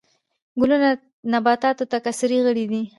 ګلونه د نباتاتو د تکثیر غړي دي